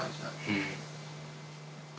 うん。